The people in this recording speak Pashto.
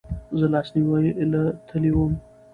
زه لاسنیوې له تلی وم